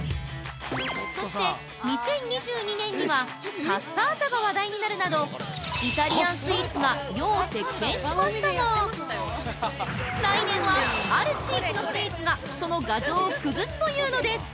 そして２０２２年にはカッサータが話題になるなどイタリアンスイーツが世を席巻しましたが、来年は、ある地域のスイーツがその牙城を崩すというのです！